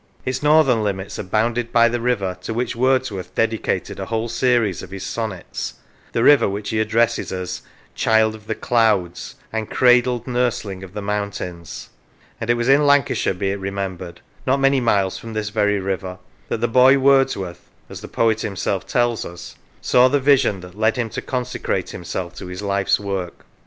Its northern limits are bounded by the river to which Wordsworth dedicated, a whole series of his sonnets the river which he addresses as " Child of the Clouds " and " Cradled Nursling of the Moun tains "; and it was in Lancashire, be it remembered, not many miles from this very river, that the boy Wordsworth (as the poet himself tells us) saw the vision that led him to consecrate himself to his life's work.